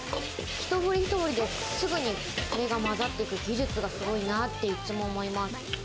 ひとふりひとふりで、すぐに混ざっていく技術がすごいなっていつも思います。